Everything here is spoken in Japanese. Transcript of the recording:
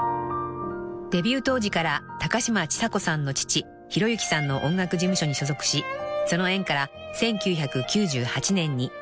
［デビュー当時から高嶋ちさ子さんの父弘之さんの音楽事務所に所属しその縁から］